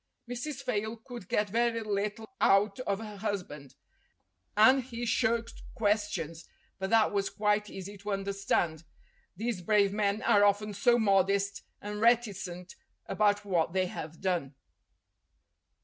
Mrs. Fayle could get very little out of her husband, and he shirked questions, but that was quite easy to under stand; these brave men are often so modest and reti cent about what they have done.